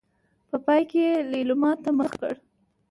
په پای کې يې ليلما ته مخ کړ.